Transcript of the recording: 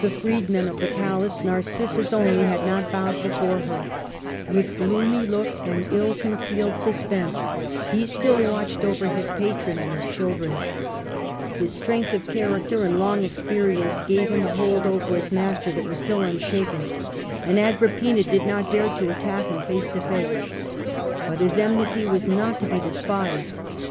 Qf frecdmen of the palace Narcissus only had not bowed before her; with gloomy look and ili concealed suspense he still watched over his patron and the trusted ser vants of Britannicus removed. A.D. 41 54* Claudius, 97 and his children. His strength of character and long experience gave him a hold over his master that was still unshaken, and Agrippina did not dare to attack him face to face. But his enmity was not to be des pised.